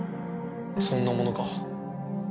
そんなものか。